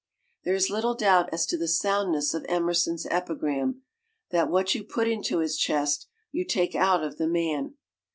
There is little doubt as to the soundness of Emerson's epigram, that what you put into his chest you take out of the man.